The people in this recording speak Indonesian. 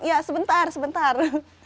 ya sebentar sebentar